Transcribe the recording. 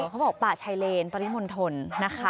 เขาบอกป่าชายเลนปริมณฑลนะคะ